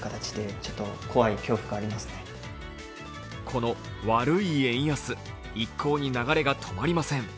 この悪い円安一向に流れが止まりません。